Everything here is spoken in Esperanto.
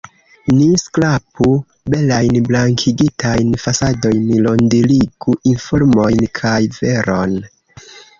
Ni skrapu belajn blankigitajn fasadojn, rondirigu informojn kaj veron!